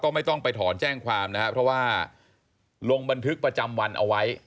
ก็ไม่ต้องไปถอนแจ้งความนะครับเพราะว่า